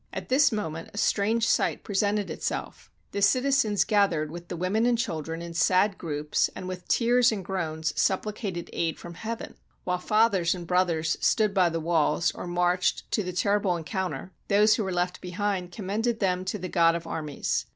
At this moment a strange sight presented itself. The citizens gathered with the women and children in sad groups, and with tears and groans supplicated aid from Heaven. While fathers and brothers stood by the walls or marched to the terrible encounter, those who were left behind commended them to the God of armies.